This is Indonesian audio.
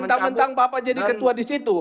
mentang mentang bapak jadi ketua di situ